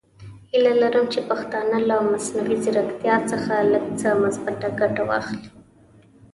هیله لرم چې پښتانه له مصنوعي زیرکتیا څخه لږ څه مثبته ګټه واخلي.